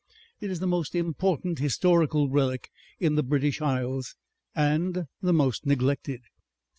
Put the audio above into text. It is the most important historical relic in the British Isles. And the most neglected."